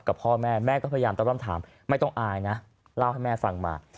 กับพ่อแม่แม่ก็พยายามตะล่อมถามไม่ต้องอายนะเล่าให้แม่ฟังมา